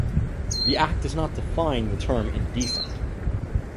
The Act does not define the term 'indecent'.